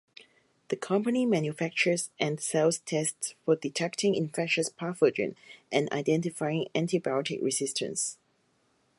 The company manufactures and sells tests for detecting infectious pathogens and identifying antibiotic resistance.